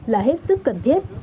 là hết sức cần thiết